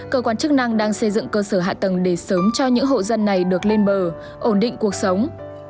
cơ quan chức năng đang xây dựng cơ sở hạ tầng để sớm cho những hộ dân này được lên bờ ổn định cuộc sống